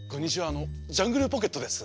あのジャングルポケットです。